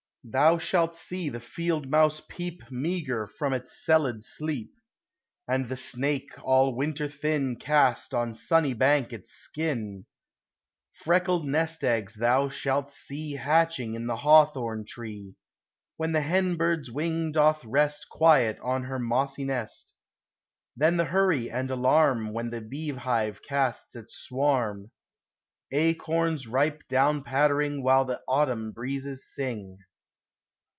Thou shalt see the field mouse peep Meagre from its celled sleep; And the snake all winter thin Cast on sunny bank its skin ; Freckled nest eggs thou shalt see Hatching in the hawthorn tree, When the hen bird's wing doth rest Quiet on her mossy nest ; Then the hurry and alarm When the beehive casts its swarm ; Acorns ripe down pattering While the autumn breezes sing.